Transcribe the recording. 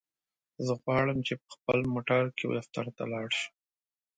زه غواړم چی په خپل موټرکی دفترته لاړشم.